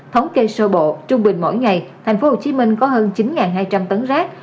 thống kê sơ bộ trung bình mỗi ngày thành phố hồ chí minh có hơn chín hai trăm linh tấn rác